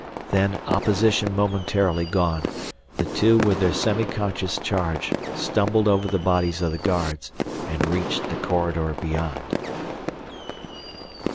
Then, opposition momentarily gone, the two with their semiconscious charge stumbled over the bodies of the guards and reached the corridor beyond.